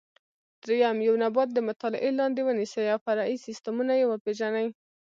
درېیم: یو نبات د مطالعې لاندې ونیسئ او فرعي سیسټمونه یې وپېژنئ.